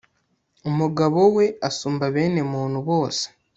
umugabo we asumba bene muntu bose